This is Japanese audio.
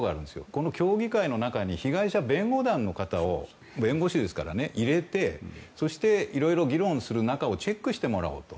この協議会の中に被害者弁護団の方を入れてそして、いろいろ議論する中をチェックしてもらおうと。